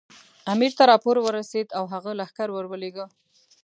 امیر ته راپور ورسېد او هغه لښکر ورولېږه.